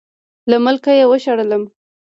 له ملکه یې وشړم.